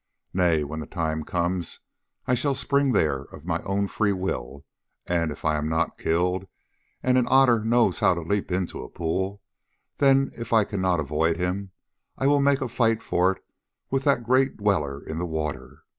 Nay, when the time comes I shall spring there of my own free will, and if I am not killed—and an otter knows how to leap into a pool—then if I cannot avoid him I will make a fight for it with that great dweller in the water.